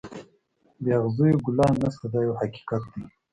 بې اغزیو ګلان نشته دا یو حقیقت دی.